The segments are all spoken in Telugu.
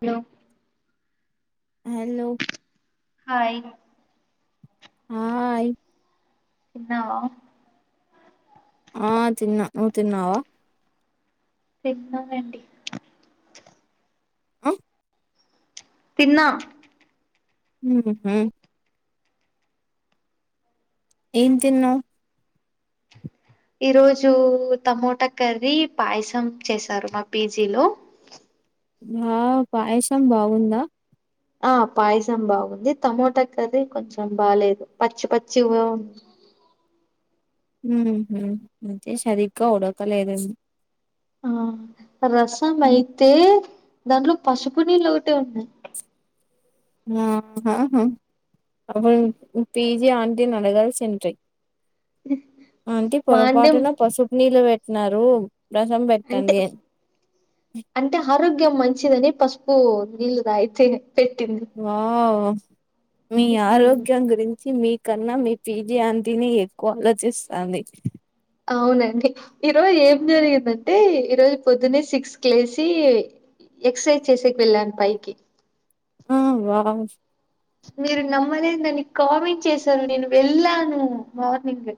హలో హలో హాయ్ ఆ అయి చిన్నావా ఆ తిన్నా నువ్వు తిన్నావా తన్న వడి ఆ తిన్నా హు హు ఏమి తిన్నావ్ ఈరోోజు టమోటా కర్రీ పాయసం చేసారు మా పీజీలో ఆ పాయసం బాగుందా ఆ పాయసం బాగుంది టమోటా కర్రీ కొంచెం బాలేదు పచ్చి పచ్చిగా అంటే సరిగ్గా ఉడకలేదండి ఆ రసం మ్మ్. అయితే దాంట్లో పసుపు నీళ్లు ఒకటే ఉన్నాయి [unintelligible] పిజీ ఆంటిని అడగాల్సింట్రి ఆంటీ మా అంటే పొరపాటున పసుపు నీళ్ళు పెట్టీ స్తున్నారు రసం అంటే పెట్టండి అంటే ఆరోగ్యం మంచిదని పసుపు నీళ్లు తాగితే పెట్టింది వావ్ మీ ఆరోగ్యం గురించి మీ కన్నా మీ పిజీ ఆంటీనే ఎక్కువ గా చేస్తుంది అవునండి ఈరోజు ఏం జరిగిందంటే ఈరోజు పొద్దున్నే సిక్స్ కి లేసి ఎక్సర్సైజ్ చేసేకి వెళ్ళాను పైకి ఆ వావ్ మీరు నమ్మలే దని కామెంట్ చేశను నేను వెళ్ళాను మార్నింగ్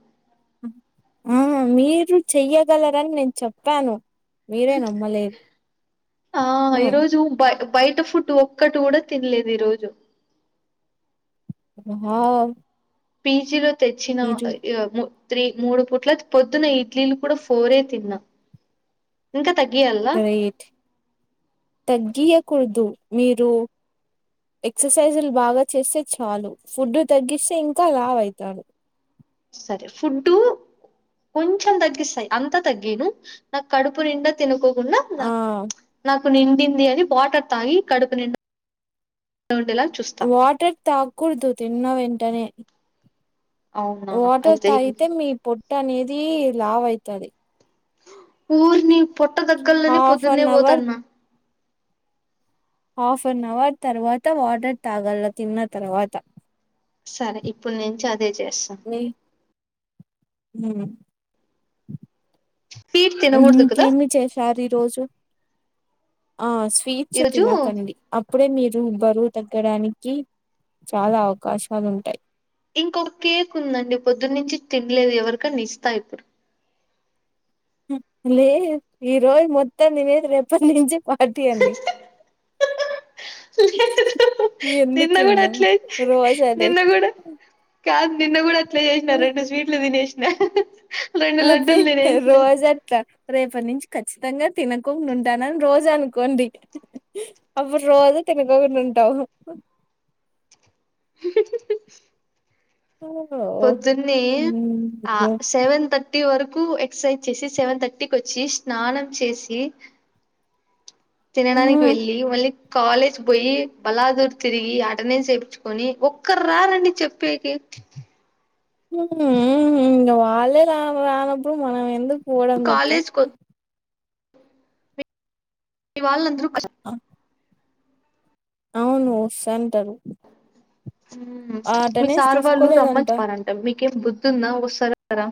ఆ మీరు చెయ్యగలరని నేను చెప్పాను మీరే నమ్మలేదు. ఆ హ్మ్ ఈరోజు బా బయట ఫుడ్ ఒక్కటి కూడా తినలేదు ఈరోజు వావ్ పీజీలో తెచ్చిన మీరు [unintelligible] త్రీ మూడు పుట్ల పొద్దున్న ఇడ్లీలు కూడా ఫోరే తిన్నా ఇంకా తగ్గియాలా గ్రేట్ తగ్గియకు మీరు ఎక్సర్సైజ్లు బాగా చేస్తే చాలు ఫుడ్ తగ్గిస్తే ఇంకా లావయితారు సరే ఫుడ్డు కొంచం తగ్గిస్తాయి అంత తగ్గిను నా కడుపు నిండా తినకో నాకు ఆ నాకు డు నిండింది అది వాటర్ తాగి కడుపు నిం వాటర్ తాకూడదు తిన్న వెంటనే అవునా వాటర్ అయితే ఇంక తాయితే మీ పొట్ట అనేది తి అయిత అది ఊరుని పొట్ట దగ్గర్లోనే హాఫ్ పొద్దున్నే అన్ అవర్ పోతానా హాఫ్ అన్ అవర్ తర్వాత వాటర్ తాగలా తిన్న తర్వాత సరే ఇప్పుడు నుంచి ఆ అధే చేస్తా ఉమ్ స్వీట్ తినకూడదు ఉమ్ కదా కేమి చేసారి రోజు ఆ స్వీట్స్ ఈరోజు తినకండి అప్పుడే మీరు బరు తగ్గడానికి చాలా అవకాశాలు ఉంటాయి ఇంకొక కేక్ ఉందండి పొద్దునుంచి తినలేదు ఎవరికని ఇస్తా ఇప్పుడు ఉమ్ లే రోజ్ మొత్తం థినేధి రప నుంచి అది అండి హు హు హు నిన్న ఎందుకు కూడా ఇంగా అట్లేదు రోజు అదే నిన్న కూడా కాద నిన్నా కూడా చేసినా రెడు స్వీలు తినేస హా హా అది రోజు అక్క రేపటి నుంచి ఖచ్చితంగా తినకోకుండా ఉంటానని రోజు అనుకోండి, అప్పుడు రోజు తినకోకుండ ఉంటావ్ ఓ పొద్దున్నే హ్మ్. ఆ హ్మ్. సెవెన్ థట్ ర్టీ వరకు ఎక్ససైజ్ చేసి సెవెన్ థర్టీకి వచ్చి స్నానం చేసి తినడానికి హ్మ్. వెళ్ళి వళ్ళీ కాలేజ్ కి పోయి బలాదూర్ తిరిగి, అటెండెన్స్ ఏపించుకొని ఒక్కరు రార్ అండి చెప్పేకి ఉమ్ ఉ ఇంకా వాళ్ళలే రా రానప్పుడు మనం ఎంత పోవడంచెప్పు కాలేజ్ కొ వాళ అందరు ఆ అవును షన్ ఉమ్ ఆ మీ అటెండెన్స్ సార్ వాళ్ళు తీసుకోలేదంట రమ్మనిప్పనంటే మీకు ఎమ్ బుధిఉంధా వస్త్రార రారా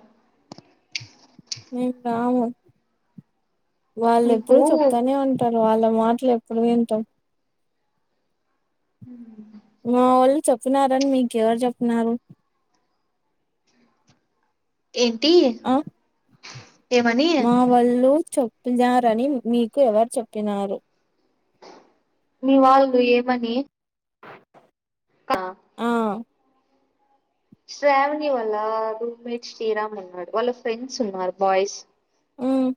నేను రాను వాళ్ళు మీకు ఎప్పుడుూ చెప్తానే ఉంటారు వాళ్ళ మాటలు ఎప్పుడు వింటాం హ్మ్ మా వాళ్ళు చెప్తున్నారుారనిడి మీక ఎవరు చెప్న్నారు ఏంటి ఆ ఏమని మా వళ్ళు చెప్ినారని మీకు ఎవరు చెప్పినారు మీ వాళ్ళు ఏమని ఆ శ్రావణి వాళ్ళ రూమ్మేట్ శ్రీరామ్ ఉన్నాడు, వాళ్ళ ఫ్రెండ్స్ ఉన్నారు బాయ్స్. ఉమ్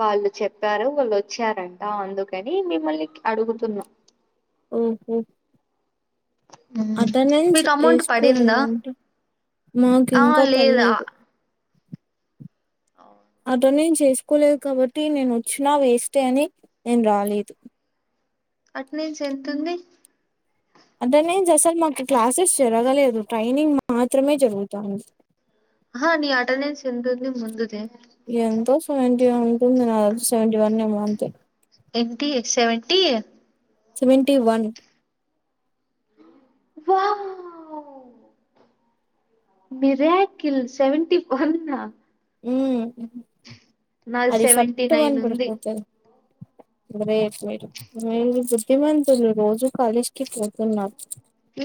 వాళ్ళు చెప్పారు. వాళ్ళు వచ్చారంట అందుకని మిమ్మల్ని అడుగుతున్నా ఓహో మ్మ్ అటెండెన్స్ మీకు అమౌంట్ పడిందా ఏసుకోలేదంట ఆ మాకింక పల్లేదు అ అటెండెన్స్ ఏసుకోలేదు, కాబట్టి నేను వచ్చినా వేస్టే అని నేన్ రాలేద్. అటు నుంచి ఎంతుంది అటెండెన్స్ అసల్ మాకు క్లాసెస్ జరగలేదు, ట్రైనింగ్ మాత్రమే జరుగుతాంది. హా నీ అటెండెన్స్ ఎంతుంది ముందుది ఎంతో సెవెంటీ ఉంటుంది నా సెవెంటీ వన్ మంత ఏంటి సెవెంటీ సెవెంటి వన్ వా..... వ్ మిరాకిల్ సెవెంటీ వన్ ఆ.... హూ నాది అది సెవెంటీ నైన్ ఫట్టుమన్ కొడ్ ఉంది పోతది గ్రేట్ మీరు, మీరూ బుద్ధిమంతులు రోజు కాలేజ్కి పోతున్నా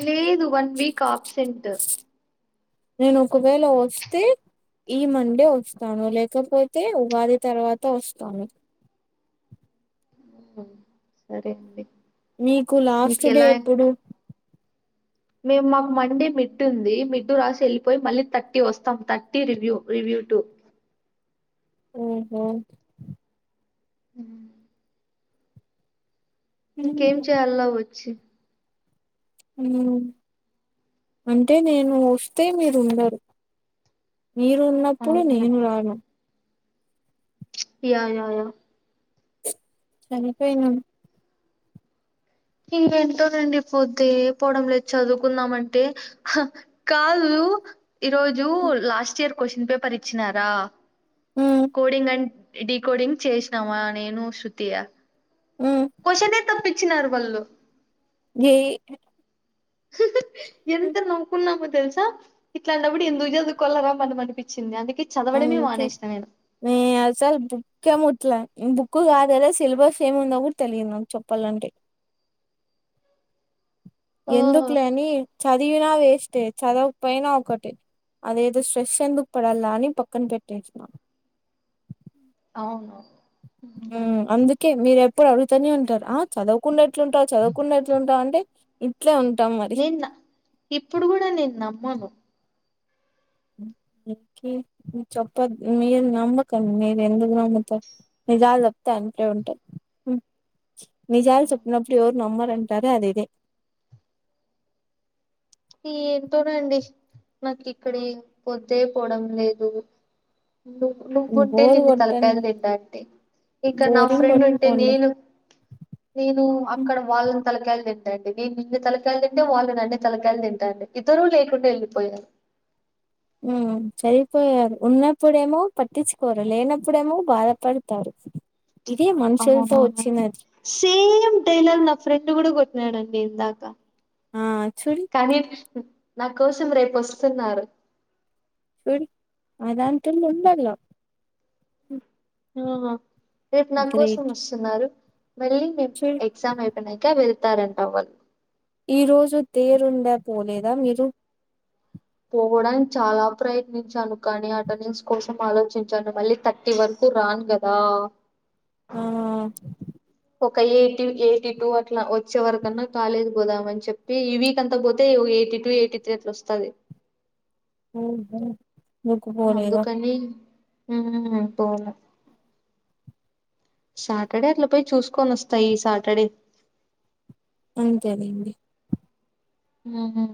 లేదు వన్ వీక్ ఆప్సెంట్ నేను ఒకవేళ వస్తే ఈ మండే వస్తాను లేకపోతే ఉగాది తర్వాత వస్తాను సరే అండి మీకు లాస్ట్ మీకు డే ఎలా ఎప్పుడు మేము మాకు మండే మిడ్ ఉంది మిడ్డు రాసి వెళ్ళిపోయి మళ్ళీ థర్టీ వస్తాం థర్టీ రివ్యూ రివ్యూ టు ఉహు హ ఇంకేం మ్మ్. చేయల్లా వచ్చి అంటే నేను వొస్తే మీరు ఉండరు మీరు ఉన్నప్పుడు అవును నేను రాను యా.. యా.. సరిపోయినాం ఇంకేంటోనండి పొద్దే పోవడం లేదు చదువుకుందామ్ అంటే, హా కాదు ఈరోజు లాస్ట్ ఇయర్ క్వశ్చన్ పేపర్ ఇచ్చినారా మ్మ్. కోడింగ్ అన్ డి కోడింగ్ చేసినామా నేను శృతియ మ్మ్. కోషేదే తప్పి ద్ చిన్నారు బల్ ఏ ఎంత నౌకున్నా మ తెలుసా ఇట్లాంటప్పుడు ఎందుకు చదువుకోలరా మనం అనిపించింది అందు అంతే నే అసలు బుక్కే ముట్లా బుక్ కాదు కదా సిలబస్ ఏముందో కూడా తెలియదు నాకు చెప్పాలంటే ఆ ఎందుకులే అని చ చదివిన వేస్టే చదవకపోయినా ఒకటే అదేదో స్ట్రెస్ ఎందుకు పడాల అని పక్కన పెట్టేస అవును ఉ అందుకే మీరే ఇప్పుడు అడుగుతనే ఉంటారు ఆ చదవకుండా ఎట్లుంటావు చదవుకుండ ఎట్లుంటావు అంటే ఇట్లే ఉంటాం మరి నిన్న ఇప్పుడు కూడా నేను నమ్మను చెప్పద్ మీరు నమ్మకండి మీరు ఎందుకు నమ్మతారు నిజాలు చెప్తా అంతే ఉంటారు నిజాలు చెప్పినప్పుడు ఎవరు నమ్మరు అంటార అది ఇదే ఏంటోనండి నాకు ఇక్కడి పొద్దే పోవడం లేదు నువ్వు నువ్వుంటే బోరు నిన్న కొట్టండి తలకాయలు తింటాంటి ఇంకా నా బోరింగ్ ఫ్రెండ్ ఉంటే కొట్టుకోండి నేను నేను ఉమ్ అక్కడ వాళ్ళని తలకాయలు తిన్ అడి మీ నిన్న తలకాయదింటే వాళ్ళు నన్నే తల తింటండి ఇద్దరూ లేకుండా వెళ్ళిపోయారు ఉమ్ చనిపోయారు ఉన్నప్పుడేమో పట్టిచ్చుకోరు లేనప్పుడేమో బాధపడతారు ఇదే మనుషులతో వచ్చినది సేమ్ టైలర్ నా ఫ్రెండ్ కూడా కొ యాడండి ఇందాక ఆ చూడి కానీ నా కోసం రేపు వస్తున్నారు చూడి అదాంత ఉండల ఉహు రేపు నా కోసం వస్తున్నారు మళ్ళీ చూడు ఎగ్జామ్ అయిపోనాక వె తారంటవన్ ఈ రోజు తేరుండే పోలేదా మీరు పోవడానికి చాలా ప్రయత్నించాను కానీ అటెండెన్స్ కోసం ఆలోచించాను మళ్ళీ థర్టీ వరకు రాను కదా ఆ ఒక ఎయిటీ ఎయిటీ టూ అట్లా వచ్చే వరకన్నా కాలేజ్కి పోదామని చెప్పి ఈ వీక్ అంతా పోతే ఎయిటీ టూ ఎయిటీ త్రీ అట్లా వస్తది ఉహు ఊరికి పోలేదా ఉమ్ పోలే సాటర్డే అట్ల పోయి చూసుకోనొస్తా ఈ సాటర్డే అంతేలేండి ఆహా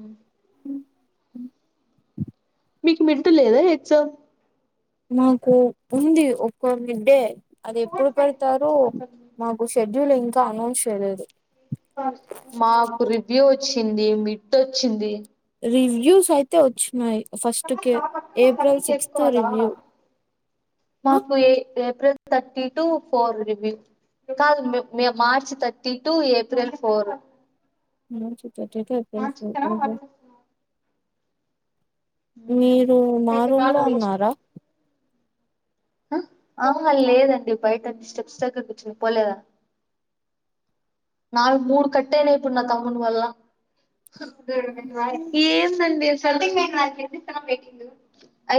మీకు మిడ్ లేదా ఎక్జామ్ మాకు ఉంది ఒక్క మిడ్డే అది ఎప్పుడు పెడతారు మాకు షెడ్యూలేం కా అనౌన్స్ చెయ్ లేదు మాకు రివ్యూ చ్చింది మిట్ వొచ్చింది రివ్యూస్ అయితే వచ్చినాయి ఫస్ట్ కే ఏప్రిల్ సిక్స్త్ రివ్యూ మాకు ఏ April thirty two four review కాదు May March thirty two April four హ మీరు మా రూమ్ లో ఉన్నారా ఆ అవునా లేదండి బయట స్టెప్స్ దగ్గర కూర్చొని పోలేదా నాలుగు మూడు కట్టైనాయిప్పుడు నాకు అమౌంట్ పల్లా ఏందండి అస స మే చెతనంంది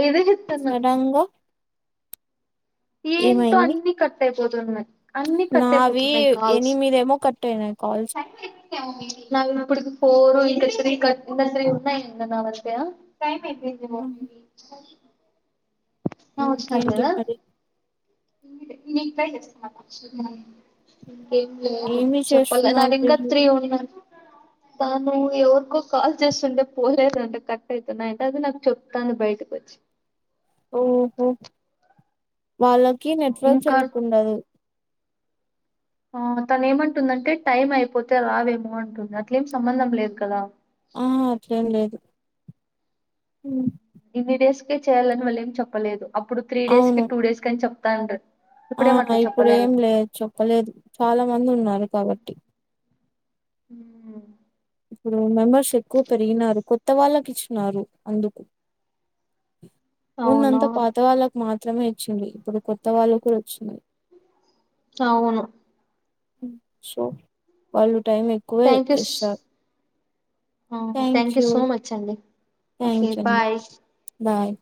ఎది సడన్ గా ఏంటో ఏమైంది అన్నీ కట్టై పోతున్నాయ్ అన్నీ కట్ నావి అయిపోతున్నాయ్ కాల్సు ఎనిమిదేమో కట్ అయినాయి కాల్స్ నా [unintelligible] ఫోరు ఇంకా స్త్రీ క ఇ స్త్రీ ఉన్నాయి ఇంగా నావంతే ఏందిమో ఇంకేంటి మరి హ్మ్ మీ ట్రై చేస్తాన్నా ఏం లేదు ఏమి చెప్పలే చేస్తున్నారు నాదింకా త్రీ తెలీదు ఉన్నా తాను ఎవరికో కాల్ చేస్తుంటే పోలేదంట కట్ అయితున్నాయంట అది నాకు చెప్తాంది బయటకి వచ్చి ఓహో వాళ్ళకి నెట్వర్క్ ఇంకా సరిగ్గుండదు ఆ తను ఏమంటుందంటే టైం అయిపోతే రావేమో అంటుంది అట్లేం సంబంధం లేదు కదా ఆ హుమ్ ఇన్ని డేస్కే చెయ్యాలని వాళ్లేం చెప్పలేదు అప్పుడు త్రీ డేస్కి అవును టూ డేస్కి అని చెప్ తండ్రి ఆ ఇప్పుడు ఏంలే చెప్పలేదు చాలా మంది ఉన్నారు కాబట్టి హ్మ్ ఇప్పుడు మెంబర్స్ ఎక్కువ పెరిగినారు కొత్త వాళ్ళకి ఇచ్చినారు అందుకు ముందంతా అవునవును పాత వాళ్ళకి మా మాత్రమే ఇచ్చింది ఇప్పుడు కొత్త వాళ్ళకు వచ్చినాయి అవును సో వాళ్ళు టైం ఎక్కువే ఇస్తార్ ఆ thank you so much um thank you అండి బాయ్